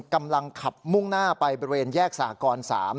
กำลังขับมุ่งหน้าไปบริเวณแยกสากร๓